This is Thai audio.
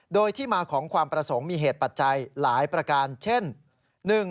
โดยที่มาของความประสงค์มีเหตุปัจจัยหลายประการเช่น